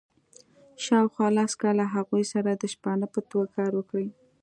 شاوخوا لس کاله هغوی سره د شپانه په توګه کار وکړي.